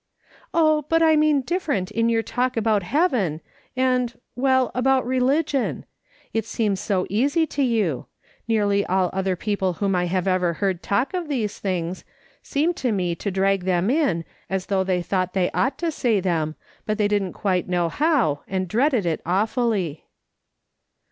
" Oh, but I mean different in your talk about heaven, and — well, about religion. It seems so easy to you ; nearly all other people whom I have ever heard talk of these things, seemed to me to drag them in, as though they thought they ought to say them, but they didn't quite know how, and dreaded it awfully."